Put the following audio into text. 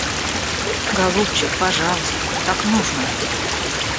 Голубчик, пожалуйста, так нужно.